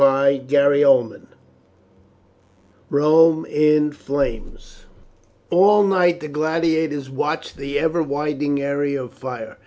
CHAPTER XIV: ROME IN FLAMES All night the gladiators watched the ever widening area of fire.